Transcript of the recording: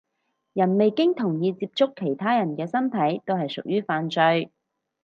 人未經同意觸碰其他人嘅身體都係屬於犯罪